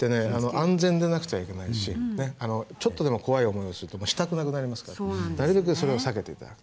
安全でなくてはいけないしねちょっとでも怖い思いをするともうしたくなくなりますからなるべくそれを避けて頂くと。